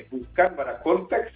bukan pada konteks